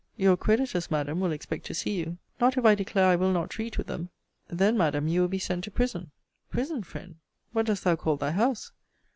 Your creditors, Madam, will expect to see you. Not if I declare I will not treat with them. Then, Madam, you will be sent to prison. Prison, friend! What dost thou call thy house?